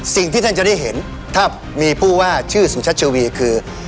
สิ่งที่ท่านจะได้เห็นถ้ามีผู้ว่าชื่อสุชัชวีคือ